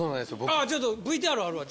ああちょっとＶＴＲあるわ。